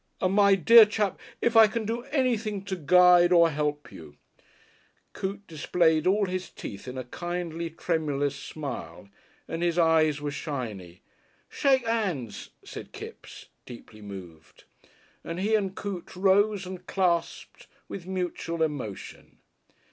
And, my dear chap, if I can do anything to guide or help you " Coote displayed all his teeth in a kindly tremulous smile and his eyes were shiny. "Shake 'ands," said Kipps, deeply moved, and he and Coote rose and clasped with mutual emotion.